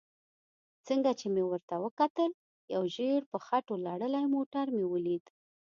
څنګه چې مې ورته وکتل یو ژېړ په خټو لړلی موټر مې ولید.